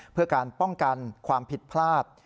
เพื่อการป้องกันความผิดพลาด